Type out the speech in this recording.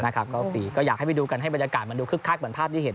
ก็ฟรีก็อยากให้ไปดูกันให้บรรยากาศมันดูคึกคักเหมือนภาพที่เห็น